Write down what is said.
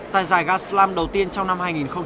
tại giải gaslamp đầu tiên trong năm hai nghìn một mươi bảy